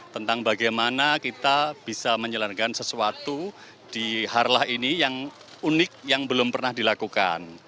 tentang bagaimana kita bisa menjalankan sesuatu di harlah ini yang unik yang belum pernah dilakukan